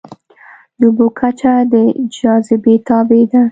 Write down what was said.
د اوبو کچه د جاذبې تابع ده.